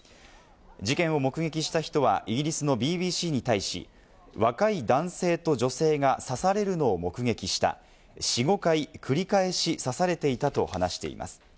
事件を目撃した人は、イギリスのＢＢＣに対し、若い男性と女性が刺されるのを目撃した、４５回繰り返し刺されていたと話しています。